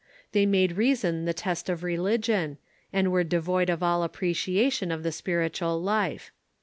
They made reason the test of religion, and were devoid of all appreciation of the spiritual life.